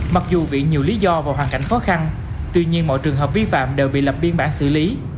mặc dù bị nhiều lý do và hoàn cảnh khó khăn tuy nhiên mọi trường hợp vi phạm đều bị lập biên bản xử lý